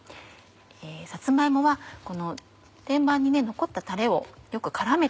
さつま芋はこの天板に残ったたれをよく絡めて。